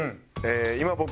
「今僕」